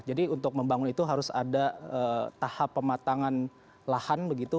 jadi untuk membangun itu harus ada tahap pematangan lahan begitu